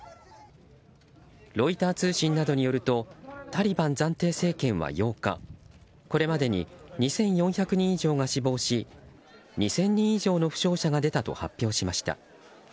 ロイター通信などによるとタリバン暫定政権は８日これまでに２４００人以上が死亡し２０００人以上の負傷者が出たと発表しました。